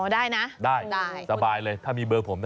ได้นะได้สบายเลยถ้ามีเบอร์ผมนะ